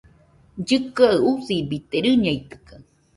Llɨkɨe usibide, rɨñeitɨkaɨ